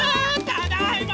ただいま！